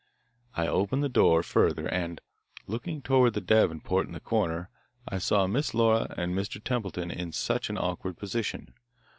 I opened the door further and, looking toward the davenport in the corner, I saw Miss Laura and Mr. Templeton in such an awkward position.